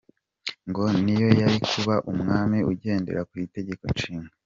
Ngo n’ iyo yari kuba umwami ugendera ku itegekonshinga.